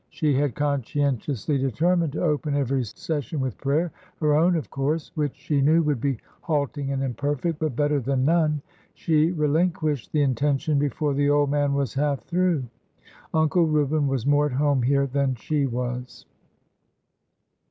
She had conscientiously determined to open every session with prayer,— her own, of course,— which she knew would be halting and imperfect, but better than none. She relinquished the intention before the old man was half through. Uncle Reuben was more at home here than she was.